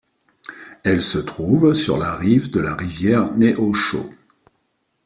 Elle se trouve sur la rive de la rivière Neosho.